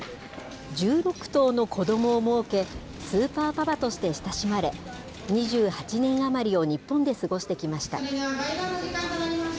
１６頭の子どもをもうけ、スーパーパパとして親しまれ、２８年余りを日本で過ごしてきました。